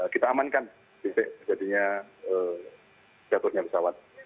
kita amankan jadinya jatuhnya pesawat